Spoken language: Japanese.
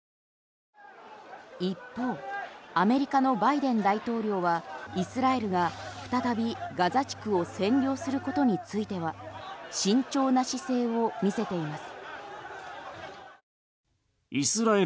一方アメリカのバイデン大統領はイスラエルが再びガザ地区を占領することについては慎重な姿勢を見せています。